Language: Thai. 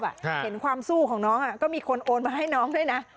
เห็นความสู้ของน้องก็มีคนโอนมาให้น้องด้วยนะ